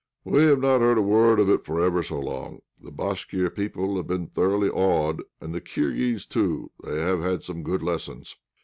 "We have not heard a word of it for ever so long. The Bashkir people have been thoroughly awed, and the Kirghiz, too, have had some good lessons.